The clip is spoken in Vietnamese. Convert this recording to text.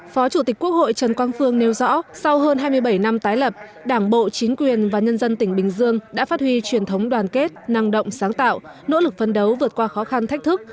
phó chủ tịch quốc hội trần quang phương nêu rõ sau hơn hai mươi bảy năm tái lập đảng bộ chính quyền và nhân dân tỉnh bình dương đã phát huy truyền thống đoàn kết năng động sáng tạo nỗ lực phân đấu vượt qua khó khăn thách thức